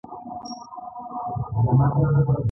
دا اړیکې اجازه ورکوي چې ځواکونه وده وکړي.